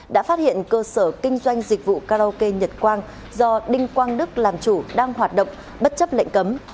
đã phát hiện cơ sở kinh doanh dịch vụ karaoke nhật quang do đinh quang đức làm chủ đang hoạt động bất chấp lệnh cấm